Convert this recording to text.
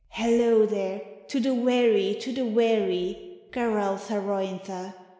" Hallo there ! To the wherry, to the wherry ! Garalth harointha !